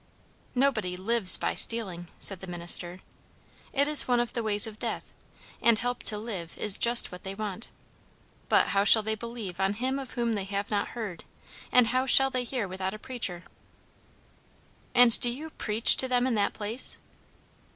"Nobody lives by stealing," said the minister. "It is one of the ways of death; and help to live is just what they want. But 'how shall they believe on him of whom they have not heard? and how shall they hear without a preacher'?" "And do you preach to them in that place?"